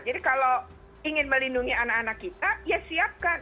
jadi kalau ingin melindungi anak anak kita ya siapkan